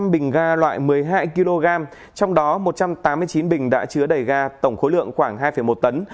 hai trăm linh bình ga loại một mươi hai kg trong đó một trăm tám mươi chín bình đã chứa đầy ga tổng khối lượng khoảng hai một tấn